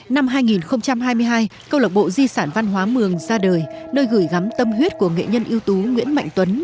năm hai nghìn hai mươi hai câu lạc bộ di sản văn hóa mường ra đời nơi gửi gắm tâm huyết của nghệ nhân ưu tú nguyễn mạnh tuấn